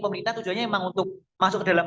pemerintah tujuannya memang untuk masuk ke dalam